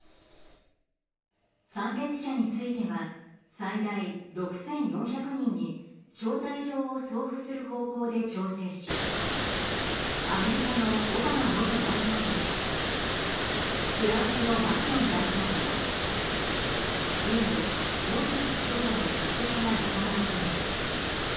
参列者については最大６４００人に招待状を送付する方向で調整しアメリカのオバマ元大統領やフランスのマクロン大統領インド、モディ首相らの出席が見込まれています。